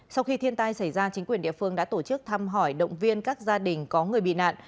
sau khi thiên tai xảy ra chính quyền địa phương đã tổ chức thăm hỏi động viên các gia đình có người bị nạn